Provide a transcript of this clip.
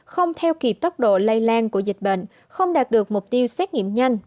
không theo kịp tốc độ lây lan của dịch bệnh không đạt được mục tiêu xét nghiệm nhanh